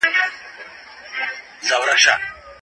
افغانستان له پاکستان سره کوم نوی سیاسي تړون لاسلیک کړ؟